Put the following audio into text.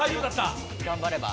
頑張れば。